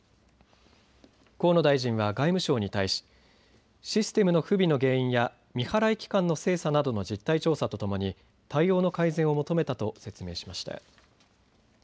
河野大臣は外務省に対しシステムの不備の原因や未払い期間の精査などの実態調査とともに対応の改善を求めたと説明しました。